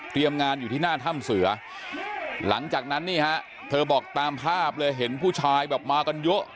งานอยู่ที่หน้าถ้ำเสือหลังจากนั้นนี่ฮะเธอบอกตามภาพเลยเห็นผู้ชายแบบมากันเยอะ